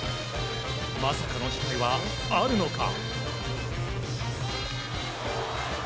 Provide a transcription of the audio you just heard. まさかの事態はあるのか？